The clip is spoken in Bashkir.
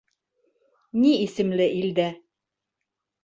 Ни исемле илдә?